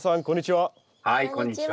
はいこんにちは。